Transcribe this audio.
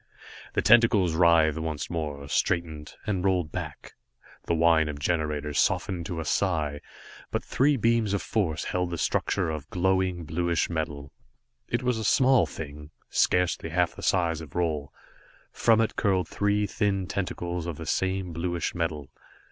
The tentacles writhed once more, straightened, and rolled back. The whine of generators softened to a sigh, and but three beams of force held the structure of glowing, bluish metal. It was a small thing, scarcely half the size of Roal. From it curled three thin tentacles of the same bluish metal.